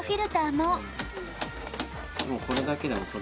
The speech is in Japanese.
もうこれだけで。